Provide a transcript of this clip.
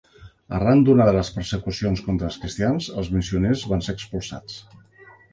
Arran d'una de les persecucions contra els cristians, els missioners van ser expulsats.